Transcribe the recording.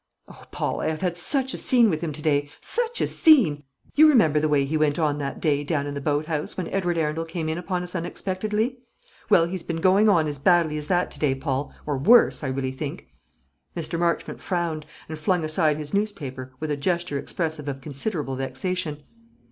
"Oh, Paul, I have had such a scene with him to day such a scene! You remember the way he went on that day down in the boat house when Edward Arundel came in upon us unexpectedly? Well, he's been going on as badly as that to day, Paul, or worse, I really think." Mr. Marchmont frowned, and flung aside his newspaper, with a gesture expressive of considerable vexation.